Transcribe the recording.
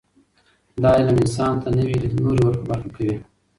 دا علم انسان ته نوي لیدلوري ور په برخه کوي.